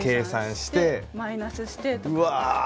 うわ。